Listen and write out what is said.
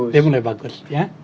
dia mulai bagus